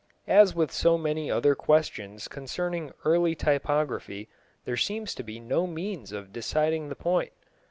As with so many other questions concerning early typography, there seems to be no means of deciding the point.